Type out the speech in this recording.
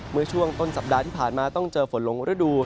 เมื่อช่วงต้นสัปดาห์ที่ผ่านมาต้องเจอฝนหลงฤดู